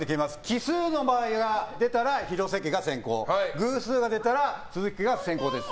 奇数の場合、廣瀬家が先攻偶数が出たら鈴木家が先攻です。